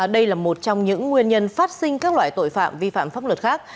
đây là một trong những nguyên nhân phát sinh các loại tội phạm vi phạm pháp luật khác